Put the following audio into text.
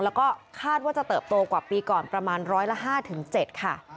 แล้วก็คาดว่าจะเติบโตกว่าปีก่อนประมาณร้อยละ๕๗ค่ะ